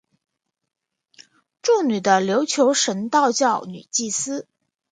祝女的琉球神道教女祭司。